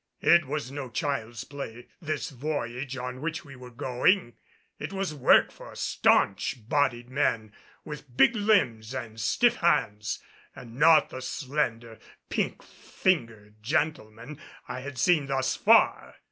It was no child's play, this voyage, on which we were going. It was work for staunch bodied men with big limbs and stiff hands, and not the slender, pink fingered gentlemen I had seen thus far.